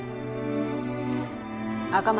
赤松